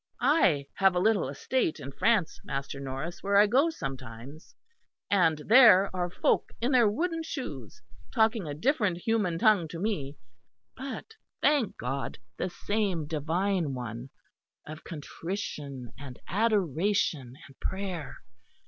I have a little estate in France, Master Norris, where I go sometimes; and there are folk in their wooden shoes, talking a different human tongue to me, but, thank God! the same divine one of contrition and adoration and prayer.